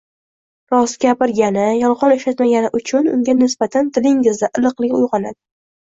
Rost gapirgani, yolg‘on ishlatmagani uchun unga nisbatan dilingizda iliqlik uyg‘onadi.